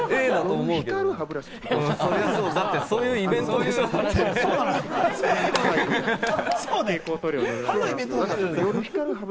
だってそういうイベントでしょ？